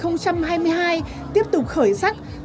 những ngày cuối năm hai nghìn hai mươi hai tiếp tục khởi sắc